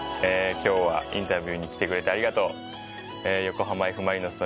今日はインタビューに来てくれてありがとう。